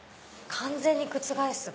完全に覆す。